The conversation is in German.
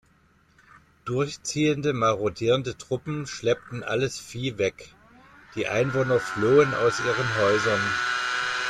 Durchziehende marodierende Truppen schleppten alles Vieh weg, die Einwohner flohen aus ihren Häusern.